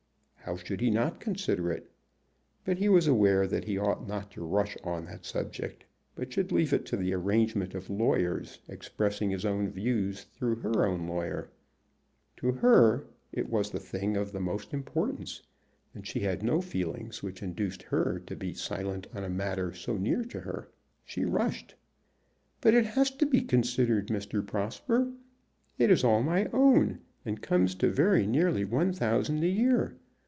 How should he not consider it? But he was aware that he ought not to rush on that subject, but should leave it to the arrangement of lawyers, expressing his own views through her own lawyer. To her it was the thing of most importance, and she had no feelings which induced her to be silent on a matter so near to her. She rushed. "But it has to be considered, Mr. Prosper. It is all my own, and comes to very nearly one thousand a year.